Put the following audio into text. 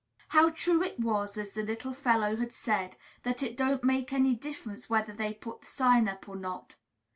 How true it was, as the little fellow had said, that "it don't make any difference whether they put the sign up or not!"